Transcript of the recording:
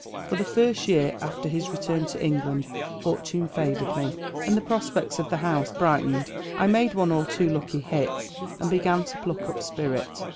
For the first year after his return to England fortune favoured me, and the prospects of the house brightened. I made one or two lucky hits, and began to pluck up spirit.